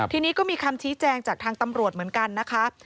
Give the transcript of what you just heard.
ทีนี้ก็มีคำชี้แจงจากทางตำรวจเหมือนกันนะคะ